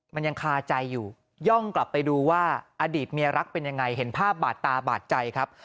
มันยังคาใจอยู่ย่องกลับไปดูว่าอดีตเมียรักเป็นยังไงเห็นภาพบาดตาบาดใจครับ